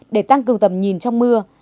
để tăng cường tầm nhìn trong mưa